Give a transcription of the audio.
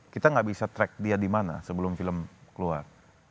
kita gak bisa track dia dimana sebelum film keluar